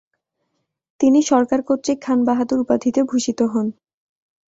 তিনি সরকার কর্তৃক খাঁন বাহাদুর উপাধিতে ভূষিত হন।